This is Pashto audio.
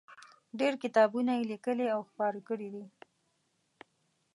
ډېر کتابونه یې لیکلي او خپاره کړي دي.